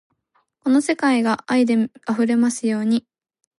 この世界が愛で溢れますように